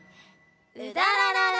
「うだららら」。